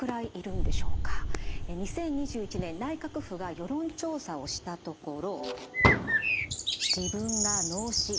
２０２１年内閣府が世論調査をしたところ。